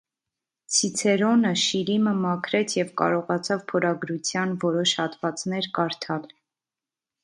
Ցիցերոնը շիրիմը մաքրեց և կարողացավ փորագրության որոշ հատվածներ կարդալ։